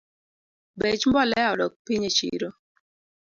Bech mbolea odok piny echiro